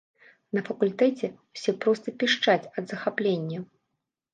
На факультэце ўсе проста пішчаць ад захаплення.